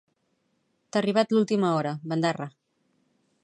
T'ha arribat l'última hora, bandarra.